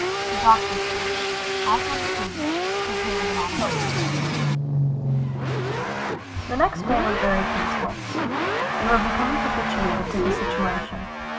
IV THE DOCTOR'S STORY AS ONE DREAMS THE TALE OF AN ADOLESCENT The next day was very peaceful. We were becoming habituated to the situation.